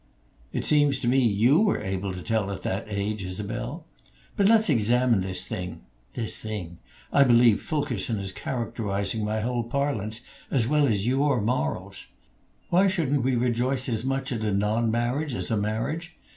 "It seems to me you were able to tell at that age, Isabel. But let's examine this thing. (This thing! I believe Fulkerson is characterizing my whole parlance, as well as your morals.) Why shouldn't we rejoice as much at a non marriage as a marriage?